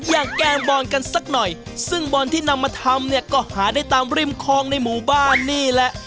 แกงบอลกันสักหน่อยซึ่งบอลที่นำมาทำเนี่ยก็หาได้ตามริมคลองในหมู่บ้านนี่แหละ